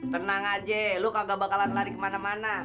tenang aja lu kagak bakalan lari kemana mana